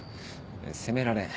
責められん。